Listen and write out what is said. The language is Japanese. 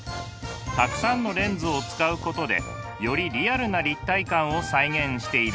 たくさんのレンズを使うことでよりリアルな立体感を再現しているのです。